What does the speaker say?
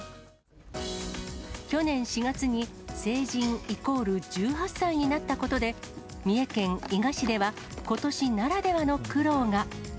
去年４月に成人イコール１８歳になったことで、三重県伊賀市では、ことしならではの苦労が。